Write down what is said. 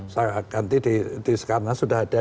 saya ganti di sekarang sudah ada